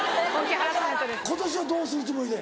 今年はどうするつもりで？